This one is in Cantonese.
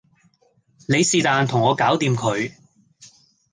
你是旦同我搞掂佢